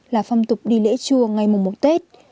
là phong tục đi lễ chùa ngày mùa tết